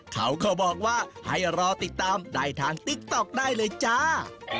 เขาก็บอกว่าให้รอติดตามได้ทางติ๊กต๊อกได้เลยจ้า